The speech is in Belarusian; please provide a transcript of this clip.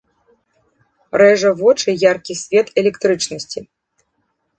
Рэжа вочы яркі свет электрычнасці.